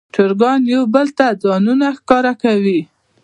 چرګان یو بل ته ځانونه ښکاره کوي.